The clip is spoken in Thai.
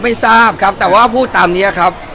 ไม่ทราบครับแต่ว่าพูดตามนี้ครับ